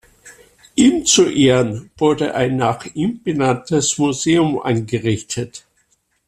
Ihm zu Ehren wurde ein nach ihm benanntes Museum eingerichtet.